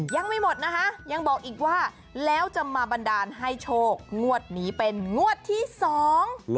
ยังไม่หมดนะคะยังบอกอีกว่าแล้วจะมาบันดาลให้โชคงวดนี้เป็นงวดที่สอง